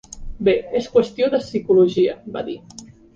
Bé, és qüestió de psicologia, va dir.